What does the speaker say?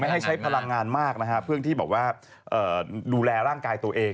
ไม่ให้ใช้พลังงานมากเพื่อที่ดูแลร่างกายตัวเอง